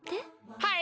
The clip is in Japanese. はい！